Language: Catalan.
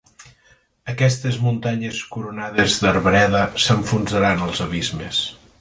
Aquestes muntanyes coronades d'arbreda s'enfonsaran als abismes